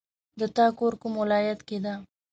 د تا کور کوم ولایت کې ده